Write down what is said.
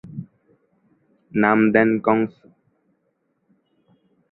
নাম দেন কংস।